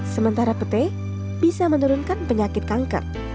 sementara petai bisa menurunkan penyakit kanker